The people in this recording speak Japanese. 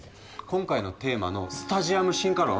今回のテーマのスタジアム進化論